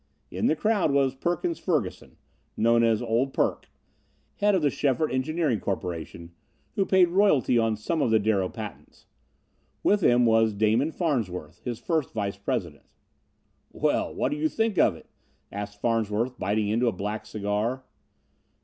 In the crowd was Perkins Ferguson, known as "Old Perk," head of the Schefert Engineering Corporation, who paid royalty on some of the Darrow patents. With him was Damon Farnsworth, his first vice president. "Well, what do you think of it?" asked Farnsworth, biting into a black cigar.